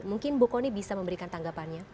mungkin bu kony bisa memberikan tanggapannya